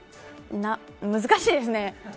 難しいですね。